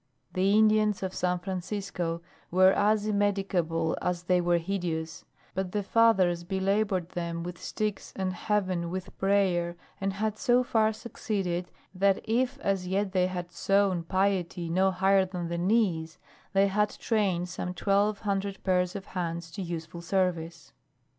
The Indians of San Francisco were as immedicable as they were hideous; but the fathers belabored them with sticks and heaven with prayer, and had so far succeeded that if as yet they had sown piety no higher than the knees, they had trained some twelve hundred pairs of hands to useful service.